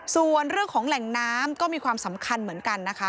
ส่วนเรื่องของแหล่งน้ำก็มีความสำคัญเหมือนกันนะคะ